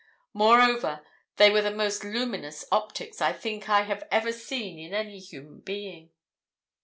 Moreover, they were the most luminous optics I think I have ever seen in any human being.